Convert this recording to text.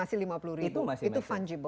itu masih rp lima puluh itu fungible